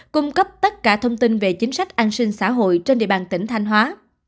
cung cấp tất cả thông tin về chính sách an sinh xã hội trên địa bàn tỉnh thanh hóa